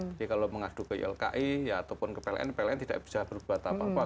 jadi kalau mengadu ke ilki ataupun ke pln pln tidak bisa berbuat apa apa